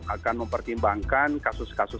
akan mempertimbangkan kasus kasus